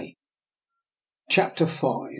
CHAPTER V.